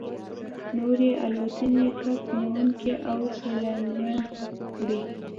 نورې الوتنې کب نیونکي او سیلانیان وړي